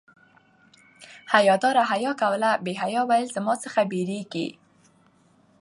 حیا دار حیا کوله بې حیا ویل زما څخه بيریږي